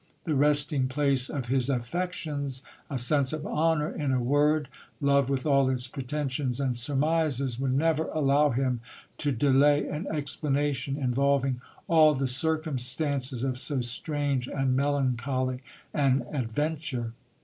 The resting place of his affections, a sense of honour, in a word, love with all its pretensions and surmises, would never allow him to delay an explanation, involving all the circumstances of so strange and melancholy an adventure.